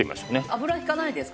油引かないですか？